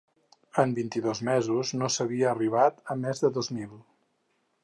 En vint-i-dos mesos no s’havia arribat a més de dos mil.